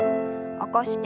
起こして。